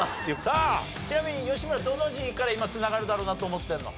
さあちなみに吉村どの字から今繋がるだろうなと思ってるの？